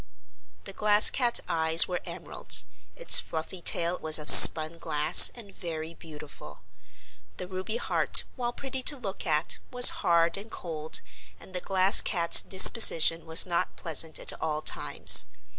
The Glass Cat's eyes were emeralds; its fluffy tail was of spun glass and very beautiful. The ruby heart, while pretty to look at, was hard and cold and the Glass Cat's disposition was not pleasant at all times.